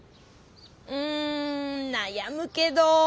うんなやむけど。